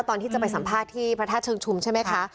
ตอนที่จะไปสัมภาษณ์ที่พระธาตุเชิงชุมใช่ไหมคะ